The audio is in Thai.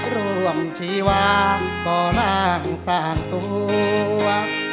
ร่วมชีวาก็ล่างสร้างตัว